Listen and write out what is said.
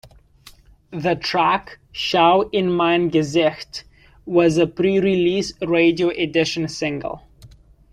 The track "Schau in mein Gesicht" was a pre-release radio edition single.